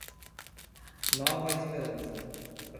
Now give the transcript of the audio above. Nova Esperança